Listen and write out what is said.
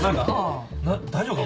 大丈夫か？